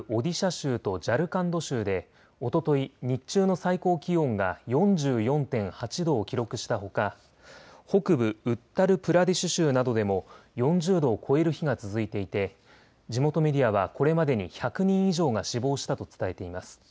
州とジャルカンド州でおととい日中の最高気温が４４．８度を記録したほか北部ウッタルプラデシュ州などでも４０度を超える日が続いていて地元メディアはこれまでに１００人以上が死亡したと伝えています。